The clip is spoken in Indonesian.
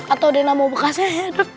atau dinamo bekasnya ya be